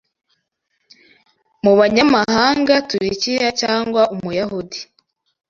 Mubanyamahanga, Turukiya, cyangwa Umuyahudi